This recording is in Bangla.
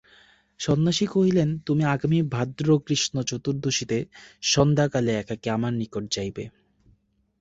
সন্ন্যাসী কহিলেন, তুমি আগামী ভাদ্র কৃষ্ণচতুর্দশীতে সন্ধ্যাকালে একাকী আমার নিকটে যাইবে।